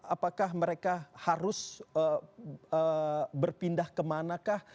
apakah mereka harus berpindah ke manakah